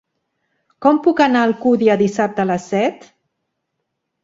Com puc anar a Alcúdia dissabte a les set?